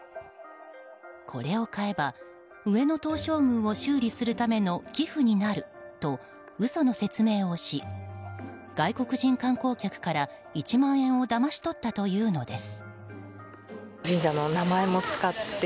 これを買えば上野東照宮を修理するための寄付になると嘘の説明をし外国人観光客から１万円をだまし取ったというのです。